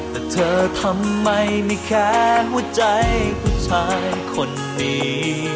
แต่เธอทำไมไม่แค้นหัวใจผู้ชายคนนี้